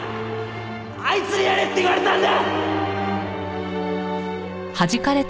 あいつにやれって言われたんだ！